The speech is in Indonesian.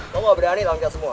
kamu gak berani langka semua